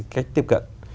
cách tiếp cận